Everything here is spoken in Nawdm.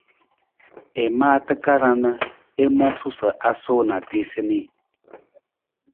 I maa takarang na i moosu sa a suu na a tiisa nii.